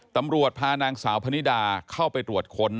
ตำรวจพานางสาวพนิดาเข้าไปตรวจค้น